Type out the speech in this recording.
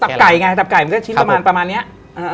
ตับไก่ไงตับไก่มันก็ชิ้นประมาณนี้ครับ